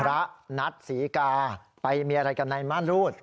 นัดศรีกาไปมีอะไรกันในม่านรูด